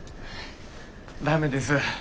駄目です。